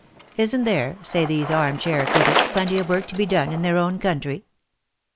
" Isn't there," say these arm chair critics, ''plenty of work to be done in their own country ?